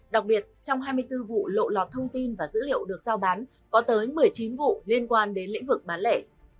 đặc biệt trong hai mươi bốn vụ lộ lọt thông tin và dữ liệu được giao bán có tới một mươi chín vụ liên quan đến lĩnh vực bán lẻ